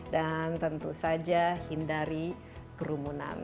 dan tentu saja hindari kerumunan